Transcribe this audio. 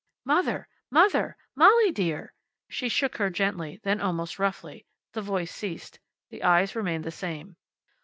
"Mother! Mother! Molly dear!" She shook her gently, then almost roughly. The voice ceased. The eyes remained the same.